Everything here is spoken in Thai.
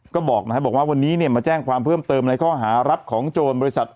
ก็บอกนะครับบอกว่าวันนี้มาแจ้งความเพิ่มเติมในข้อหารับของโจรบริษัท